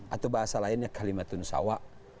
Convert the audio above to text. atau bahasa lainnya kalimatun sawak